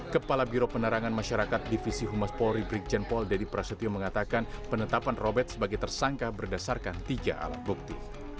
kepala biro penerangan masyarakat divisi humas polri brigjen pol dedy prasetyo mengatakan penetapan robert sebagai tersangka berdasarkan tiga alat bukti